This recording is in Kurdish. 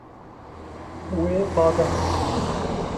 Wê ba da.